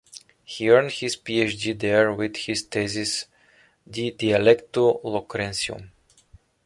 He earned his Ph.D. there with his thesis "De Dialecto Locrensium".